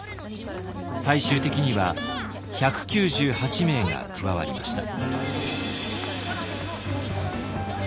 最終的には１９８名が加わりました。